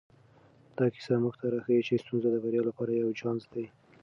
دا کیسه موږ ته راښيي چې ستونزې د بریا لپاره یو چانس دی.